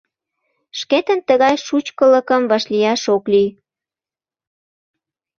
Шкетын тыгай шучкылыкым вашлияш ок лий!